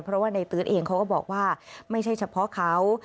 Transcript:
เพราะว่าในตื๊ดเองเขาก็บอกว่าไม่ใช่เฉพาะเขา